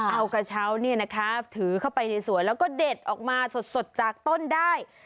เอากระเช้าถือเข้าไปในสวนแล้วก็เด็ดออกมาสดจากต้นได้